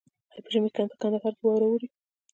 آیا په ژمي کې په کندهار کې واوره اوري؟